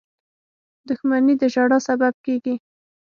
• دښمني د ژړا سبب کېږي.